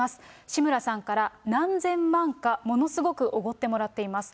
志村さんから、何千万か、ものすごくおごってもらっています。